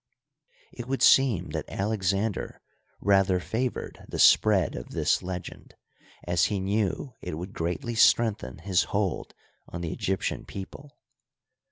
It would seem that Alexander rather favored the spread of this legend, as he knew it would greatly strengthen his hold on the Egyptian people.